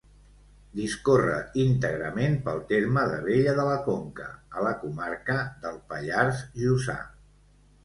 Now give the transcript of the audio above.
Discorre íntegrament pel terme d'Abella de la Conca, a la comarca del Pallars Jussà.